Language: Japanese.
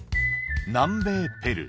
南米ペルー